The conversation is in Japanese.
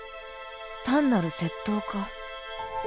単なる窃盗か？